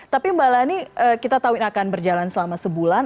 tapi mbak lani kita tahu ini akan berjalan selama sebulan